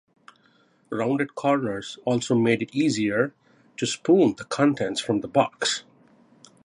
Rounded corners also made it easier to spoon the contents from the box.